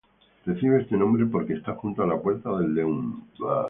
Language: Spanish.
Recibe este nombre porque está junto a la puerta del León.